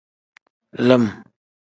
Lim.